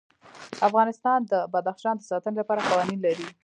افغانستان د بدخشان د ساتنې لپاره قوانین لري.